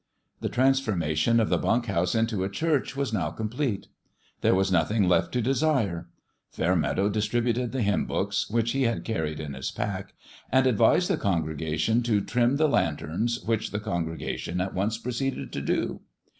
The transformation of the bunk house into a church was now complete. There was nothing left to desire. Fairmeadow distributed the hymn books, which he had carried in his pack, and advised the congregation to trim the Ian 146 FIST PL A Y terns, which the congregation at once proceeded to do.